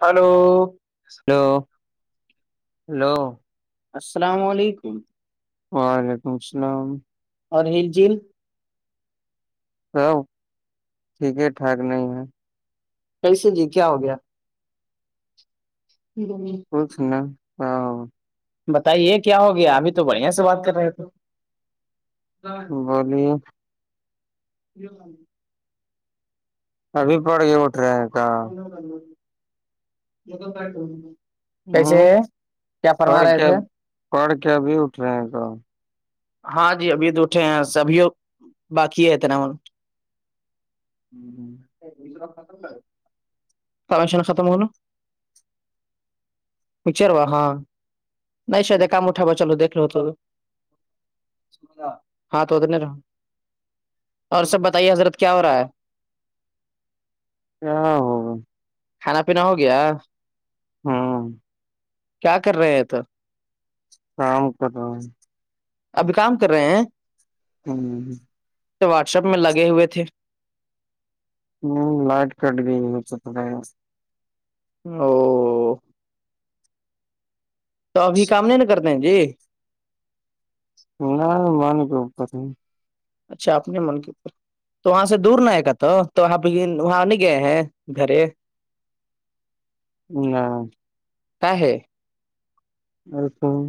Hello hello hello السلام علیکم وعلیکم السلام اور ہل جل سب ٹھیک ٹھاک نہیں ہے کیسے جی کیا ہو گیا [inaudible] ک س نا بتائیے کیا ہو گیا ابھی تو بڑھیا سے بات کر رہے تھے بولیے [inaudible] ابھی پڑگے اٹ رہا ہے ف کر مگا پٹ کیسے ہوں کیا فرما پڑھ رہے کے تھے پڑھ کے اب اٹھ رہے ہیں تو ہاں جی ابھی تو اٹھے ہیں سبھی باقی ہے اتنا م ہوں خر کامشان ختم ہوناچاروا ہاں نہیں شید کام اٹاوا چلو دیک لو تو ہاں تو اتنے رہا اور سب بتائیے حضرت کیا ہو رہا ہے ہاں کھانا پینا ہو گیا ہاں کیا کر رہے ہیں تو کام کر ابھی کام کر رہے ہیں ہوں واٹسپ میں لگے ہوئے تھے ہوں لائٹ کٹ بھی نہیں ہو س او تو ابھی کام نہیں نا کرتے ہیں جی نہ م نہیں کو اپر نہیں اچھا اپنے من کے اوپر تو وہاں سے دور نہ ہے گ تو تو آ وہاں نہیں گئے ہیں گھر [inaudible] ہ [inaudible] کا ہے [inaudible] اچھا [unintelligible]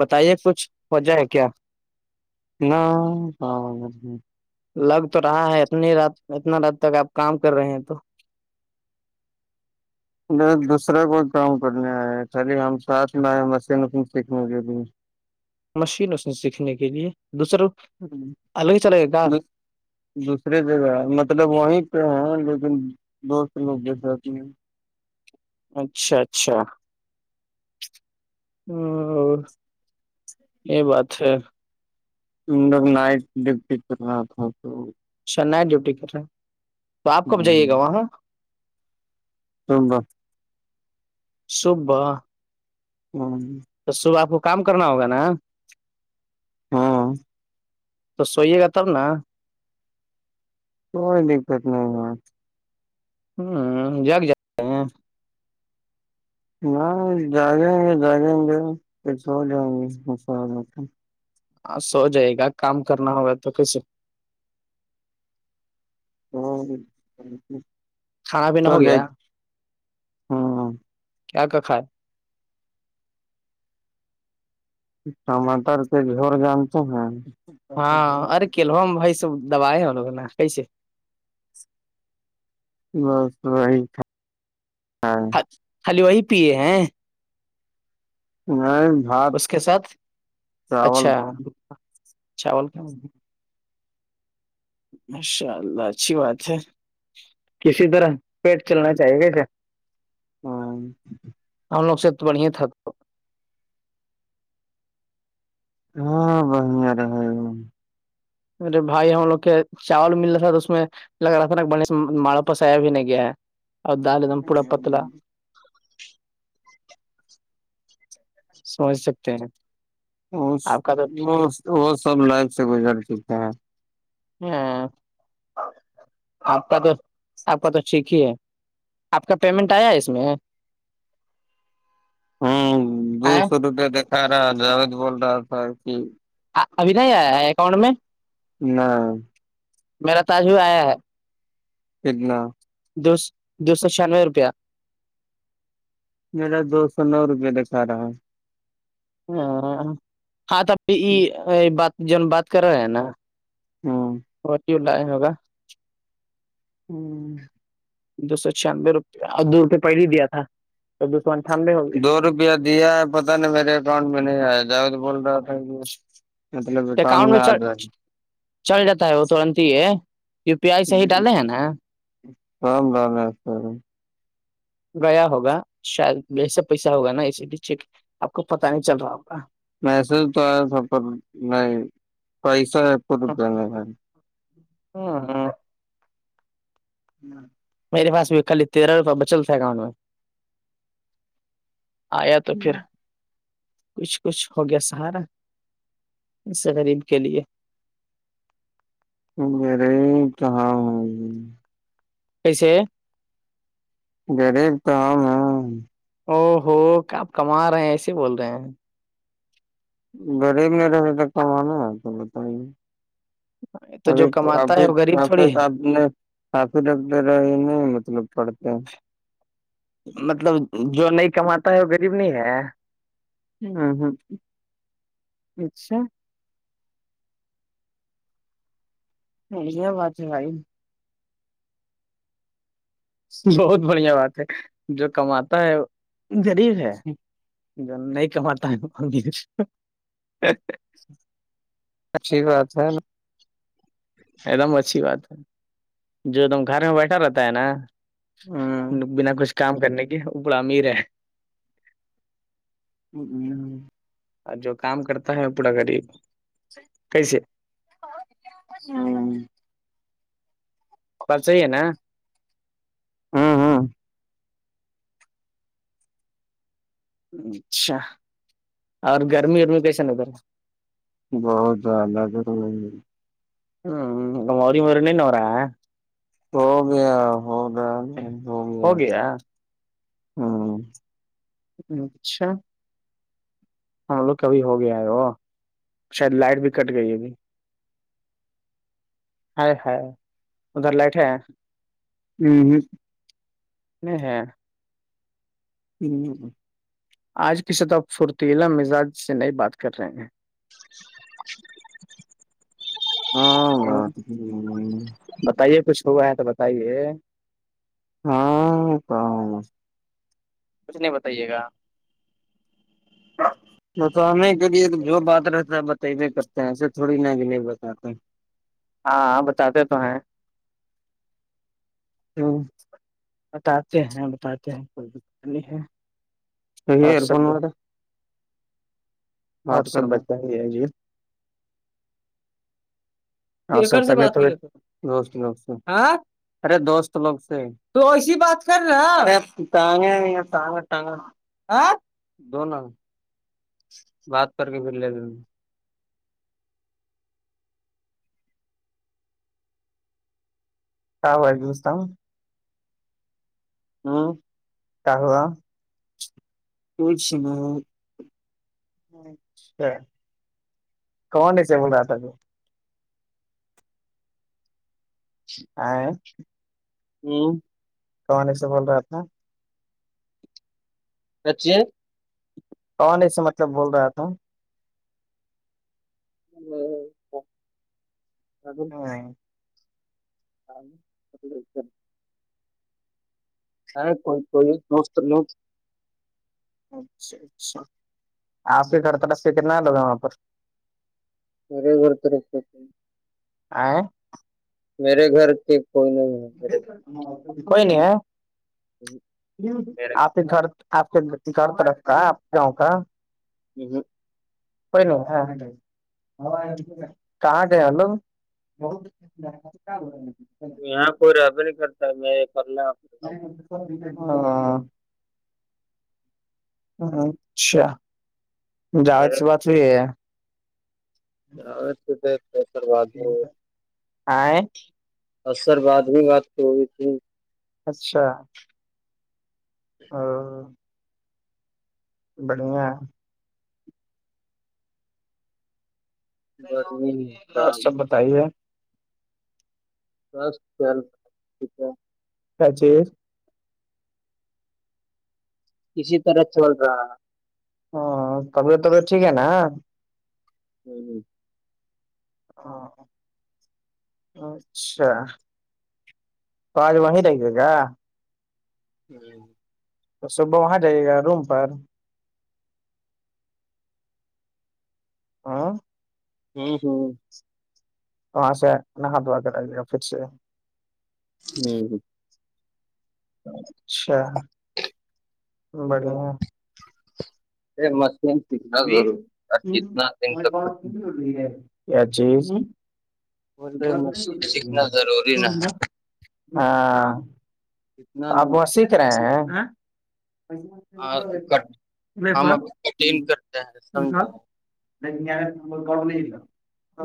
بتائیے کچھ وجہ ہے کیا [unintelligible] نہ [inaudible] لگ تو رہا ہے اتنی رات اتنا رات تک آپ کام کر رہے ہیں تو [unintelligible] ب دوسرا کوئی کام کرنے آ ہے خالی ہم ساتھ میں آئے مشین وشین سیکھنے کے بھیے مشین اس نے سیکھنے کے لیے دوسرا ہوں الگ ہی چلے گا ب کیا [unintelligible] دوسرے جگہ ہے مطلب وہیں پہ ہیں لیکن دوست لوگ جسے اپ نہیں اچھا اچھا اور [unintelligible] جچھ [inaudible] یہ بات ہے [unintelligible] ت لوگ نائٹ ڈیوٹی کرل رہا تھا تو اچھا نائٹ ڈیوٹی کر رہے ہیں تو آپ کب جائیے گا وہاں تبا صب ہوں [unintelligible] تو صبح آپ کو کام کرنا ہوگا نا ہاں تو سوئیے گا تب نا کو دقت نہیں ہوں جاک نہ جاگیں گے جاگیں گے پس ہو جائیں گے سو جائے گا کام کرنا ہوگا تو کیسے ہاں کھانا پینا ہو گیا ہاں کیا کیا کائے ٹمٹر کے گھیور جانتے ہیں ہاں ارے کیلو بائی سب دبائے ہیں لوگ نا کیسے بس وہیٹ ہاں خالی وہی پیے ہیں ہاں اس کے ساتھ اچھا چاول کیا ماشاء اللہ اچھی بات ہے کسی طرح پیٹ چلنا چاہیے گاے ہاں ہم لوگ سے تو بڑی تھک ہاں بڑیا رہ ہے میرے بھائی ہم لوگ کے چاول مل رہا تھا تو اس میں لگ رہا تھا ماڑا پس آیا بھی نہیں گیا ہے نم پوڑا پتل سمجھ سکتے ہیں آپ کا تو وہ وہ سب لائف سے گزر چکے ہیں ہاں آپ کا تو آپ کا تو ٹھیک ہی ہے آپ کا پیمنٹ آیا ہے اس میں ہوں دور سوروپ دیککھا رہا جاوید بول رہا تھا کہ ابھی نہیں آیا ہے اکاؤنٹ میں نہ میرا تاج بھی آیا ہے انا دو سو دو سو چھیانوے روپیہ میرا دو سو نو روپئے دکھا رہا ہے ہاں ہاں تو اب بات جو بات کر رہے ہیں نا ہاں فٹیلہ ہوگا ہوں دو سو چھیانوے روپیہ اور دو روپے پہلے ہی دیا تھا تو دو سو اٹھانوے ہو گیا دو روپیہ دیا ہے پتا ن میرے اکاؤنٹ میں نہیں آیا جا تو بول رہا تھا مطلب اکاؤڈ میں آ جائے چل جاتا ہے وہ ترنت ہی ہے یو پی آئی صحی ڈالے ہیں نا رم رام گیا ہوگا شاید جسے پیسہ ہوگا نا ایسے بھی چیک آپ کو پتا نہیں چل رہا ہوگا میسج تو آیا س پر نہیں پیسہ رپ میں ہاں ہاں ہوں میرے پس میں خالی تیرہ روپ بلتا تھا اکانٹ میں آیا تو پھر کچھ کچھ ہو گیا سہارا اس سے غریب کے لیے میرے کہاں ہوی کیسے غریب تو ہم ہ او ہو آپ کما رہے ہیں ایسے بول رہے ہیں غریب میں رہنے تک کمانا ہے تو بتائیے [inaudible] ابھی جو کماتا ہے ابھر وہ غریب تھوڑی آھر ہے آ نے کافی لگ رہا یہ نہیں مطلب پڑتے مطلب جو نہیں کماتا ہے وہ غریب نہیں ہے ہاں ہاں اچھا باتاز ہے بھائی بہت بڑھیا بات ہے جو کماتا ہے غریب ہے نہیں کماتا ہے میر اچھی بات ہے نا ایک دم اچھی بات ہے جو ایک دم گھر میں بیٹھا رہتا ہے نا ہوں بنا کچھ کام کرنے کے وہ بڑا امیر ہے [unintelligible] اور جو کام کرتا ہے پورا غریب کیسے ہاں کل صحیح ہے نا ہاں ہاں اچھا اور گرمی ورمی کیسا ن ادھر بہت زیادہ تو ہوں گ مور مورنین ہوورا ہو گیا ہوگا ہوگیا ہاں اچھا ہم لوگ کبھی ہو گیا ہے وہ شاید لائٹ بھی کٹ گئی ہے ابھی ہائے ہائے ادھر لائٹ ہے ہمم ہمم ہ ہاں ہوں ہوں آج کی سطح فھرتیلا مزاج سے ن بات کر رہے ہیں ہاں ہ بات بتائیے کچھ ہوا ہے تو بتائیے ہاں ک کچھ نہیں بتائیے گا بتانے کے لیے جو بات رہتا ہے بتے کرتے ہیں ایسے تھوڑی ن بھی نہیں بتاتا ہاں بتاتے تو ہیں [unintelligible] بتاتے ہیں بتاتے ہیں کوئی دقت نہیں ہے یہ اور ایئر فون سب وغیرہ اور کر سب بتائیے جی اور ایکر سب سے بات طبیعت وبیعت کرے تھ دوست لوگ سے ہاں ارے دوست لوگ سے تو ایسی بات کر رہا د نوں بات کر کے پھر لے د کیا بستا ہوں ہاں کیا ہوا [unintelligible] اچھا کون ایسے اڑاتا ہے آاں ہوں کانی سے بول رہا تھا نا اچی کون ایسے مطلب بول رہا تھا [inaudible] ہاں ہاں ہے کوئی کوئی دوست ن اچھا اچھا آپ کے کر ترس سے کتنا لوگ ہیں وہاں پر بیرے گورت رت آ میرے گھر کی کوئی نہیں ہے میرے کوئی نہیں میرے آپ کے گھر آپ کےد اور طرکھتا آپ گاؤں کا ج کوئی ن ہاں کہاں گلو یہاں کوئی ربل کرتا ہے میں پرلا ہاں ہ اچھا جازاز میرے سے بات ہو ہے ہ آ اور سر بعد بھی بات تو ہوئی تھی اچھا ہاں بڑھیا بس نہیں ہوتا، سب بتائیے سس چل ٹھیک ہے کیا چز اسی طرح چل رہا ہے ہ تب توب ٹھیک ہے نا ہوں ہ ہ اچھا تو آج وہیں لگے گا جی تو صبح وہاں جائیے گا روم پر ہاں ہوں ہوں وہاں سے نہا دھوا کر آئیے گا پھر سے ہ اچھا ہ بڑھیا یہ مشین سیکھنا ضروری اور کتنا دن تک کیا چیز بول رہے مشین سیکھنا ضروری نہ ہے ما ہاں تو کتنا آپ دن وہاں تک سیکھ رہے ہیں ہم اب کٹین کرتے ہیں سمجھے ل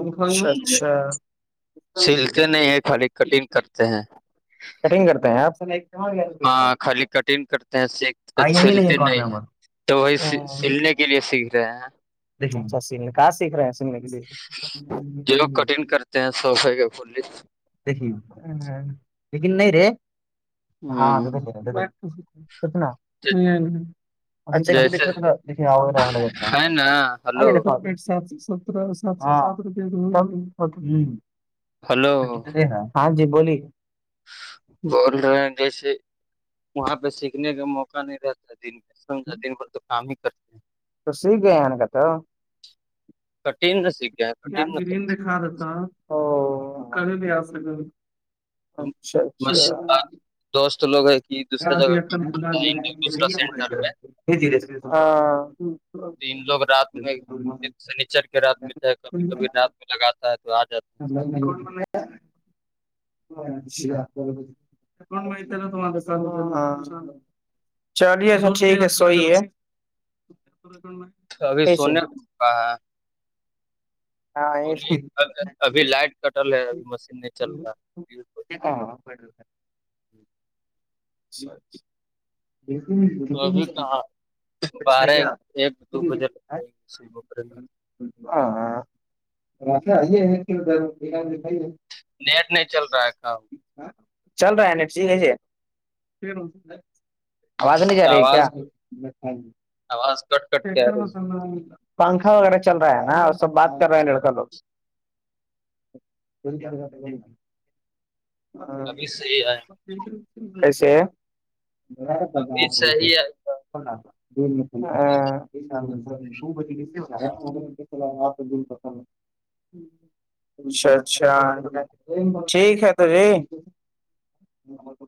گنےا اچھا سلتے نہیں ہے خالی کٹنگ کرتے ہیں کٹنگ کرتے ہیں آپ س ہاں خالی کٹن کرتے ہیں س چلتے نہیں ہے تو وہی سلنے کے لیے س گے سل کہاں سیکھ رہے ہیں سنیے کے لیے جو لوگ کٹن کرتے ہیں صفائی کا دیکھی لیکن نہیں رے ہ ہاںتنا جیسے یکھا تھا دیکھ آ لگا تھا ہے نا ہلو سات ستر سات سر ہلو ہاں جی بولیے بول رہے ہیں جیسے وہاں پہ سیکھنے کا موقع نہیں رہتا سمجان تو کام ہی کرتا تو سیکھ گئے نا کہ تو تھٹین سھ یہ گرین دھا رہتا کبھی بھی دوست لوگ ایک سینٹر پہ ہاں لوگ رات میں سنیچر کے رات میں کبھی کبھی رات میں لگاتا ہے تو آ جاتا ہے [unintelligible] کون ماہتی ہے نا تم چلیےا ٹھیک ہے سوی ہے ابھی کیسے سونےا ہے ہاں ابھی لائٹ کٹل ہے ابھی مشین نہیں چل رہا ہے ج ہ تو ابھی کہاں ب بارہ ایک دو بجے لگ جائے کر ہاں ہاں آئی پھر ادھر بانی بھائی ہے نیٹ نہیں چل رہا ہے کام چل رہا ہے نفچیسے ہو ہے آواز نہیں جا رہی کیا آواز آواز کٹ کٹ کے آ رہی ہے. پنکھا وغیرہ چل رہا ہے نا اور سب بات کر رہے ہیں لڑکا لوگ دھر کیا گھنا ابھی صحیح ہے کیسے ہیں با ابھی آپ رہ کش صحیح ہے بس آپ آ پتا اچھا اچھا ٹھیک ہے تو جی ہ